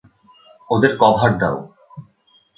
ওদের কভার দাও!